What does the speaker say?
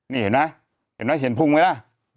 นี่เห็นไหมเห็นไหมเห็นพุงไหมล่ะ